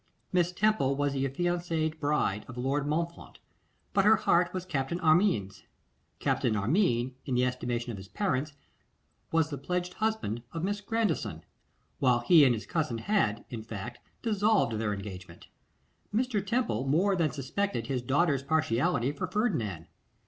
Miss Temple was the affianced bride of Lord Montfort, but her heart was Captain Armine's: Captain Armine, in the estimation of his parents, was the pledged husband of Miss Grandison, while he and his cousin had, in fact, dissolved their engagement. Mr. Temple more than suspected his daughter's partiality for Ferdinand.